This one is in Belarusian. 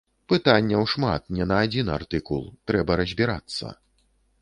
Пытанняў шмат, не на адзін артыкул, трэба разбірацца.